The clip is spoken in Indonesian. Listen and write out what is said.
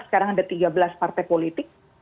sekarang ada tiga belas partai politik